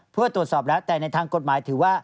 เพื่อตรวจสอบแล้วแต่ในทางกฎหมายถือว่า